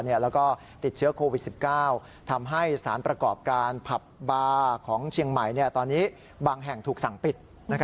แล้วก็ติดเชื้อโควิด๑๙ทำให้สารประกอบการผับบาร์ของเชียงใหม่ตอนนี้บางแห่งถูกสั่งปิด